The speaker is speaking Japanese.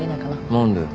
何で。